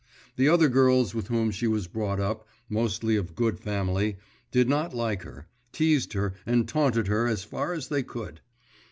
The other girls with whom she was brought up, mostly of good family, did not like her, teased her and taunted her as far as they could.